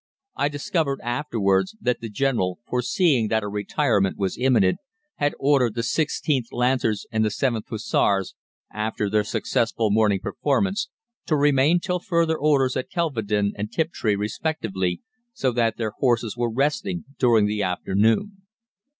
I discovered afterwards that the General, foreseeing that a retirement was imminent, had ordered the 16th Lancers and the 7th Hussars, after their successful morning performance, to remain till further orders at Kelvedon and Tiptree respectively, so that their horses were resting during the afternoon.